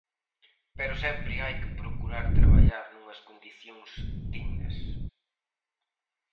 Pero sempre hai que procurar traballar nunhas condicións dignas.